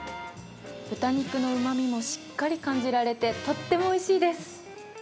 豚肉のうまみもしっかり感じられて、とってもおいしいです。